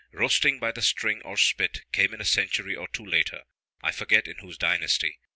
Roasting by the string, or spit, came in a century or two later, I forget in whose dynasty.